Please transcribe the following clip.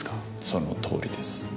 そのとおりです。